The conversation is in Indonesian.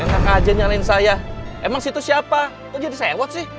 kakak aja nyalain saya emang situ siapa kok jadi sewot sih